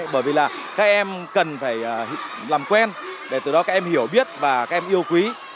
bởi vì là các em cần phải làm quen để từ đó các em hiểu biết và các em yêu quý